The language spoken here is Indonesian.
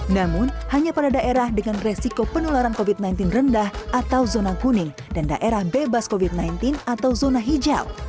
namun hanya pada daerah dengan resiko penularan covid sembilan belas rendah atau zona kuning dan daerah bebas covid sembilan belas atau zona hijau